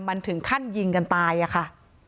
มันถึงขั้นยิงกันตายอะค่ะ